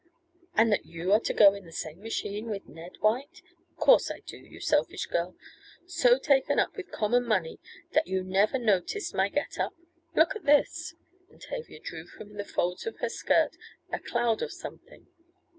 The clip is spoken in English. "And that you are to go in the same machine with Ned White? Course I do, you selfish girl. So taken up with common money that you never noticed my get up. Look at this," and Tavia drew from the folds of her skirt a cloud of something.